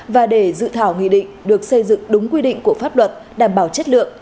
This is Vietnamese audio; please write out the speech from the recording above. và để dự thảo nghị định được xây dựng đúng quy định của pháp luật đảm bảo chất lượng